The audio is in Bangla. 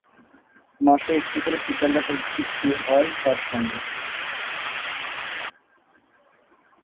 মাসে একটি করে ফিচার লেখার চুক্তি হয় তাঁর সঙ্গে।